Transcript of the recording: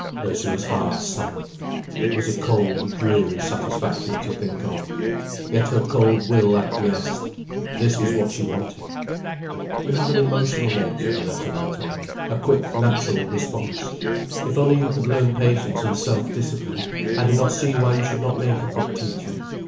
Ursula's heart sank. It was a cold, dreary satisfaction to think of. Yet her cold will acquiesced. This was what she wanted. "You have an emotional nature," the letter went on, "a quick natural response. If only you could learn patience and self discipline, I do not see why you should not make a good teacher.